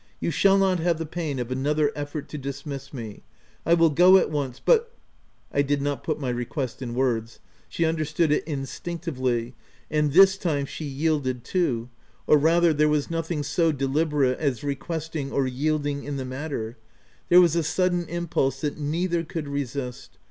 "You shall not have the pain of another effort to dismiss me : I will go at once ; but —" I did not put my request in words : she un derstood it instinctively and this time she yielded too — or rather, there was nothing so deliberate as requesting or yielding in the matter : there was a sudden impulse that neither could resist.